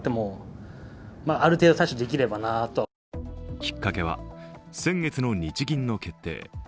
きっかけは先月の日銀の決定。